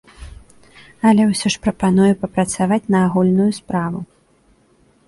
Але ўсё ж прапануе папрацаваць на агульную справу.